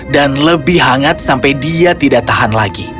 dan lebih hangat sampai dia tidak tahan lagi